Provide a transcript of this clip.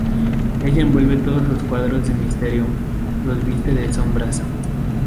Ella envuelve todos sus cuadros de misterio, los viste de sombras.